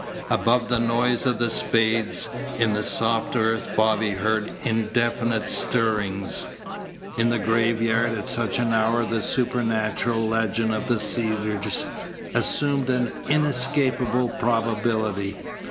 Above the noise of the spades in the soft earth Bobby heard indefinite stirrings. In the graveyard at such an hour the supernatural legend of the Cedars assumed an inescapable probability.